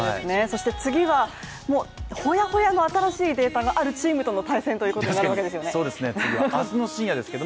そして次は、ほやほやの新しいデータがあるチームとの対戦になるわけですよね。